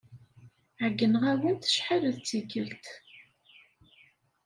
Ɛeyyneɣ-awent acḥal d tikkelt.